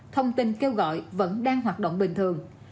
thông tin kêu gọi vẫn đang hoạt động bình thường